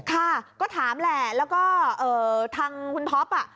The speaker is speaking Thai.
ค่ะก็ถามแหละแล้วก็ทางคุณท็อปอ่ะ